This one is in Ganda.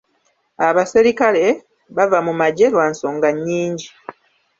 Abaserikale bava mu magye lwa nsonga nnyingi.